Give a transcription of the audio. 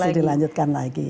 masih dilanjutkan lagi